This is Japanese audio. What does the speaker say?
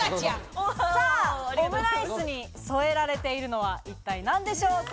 さぁ、オムライスに添えられているのは一体何でしょうか。